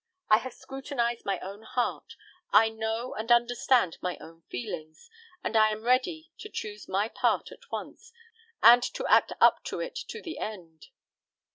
I have scrutinized my own heart; I know and understand my own feelings, and I am ready to choose my part at once, and to act up to it to the end."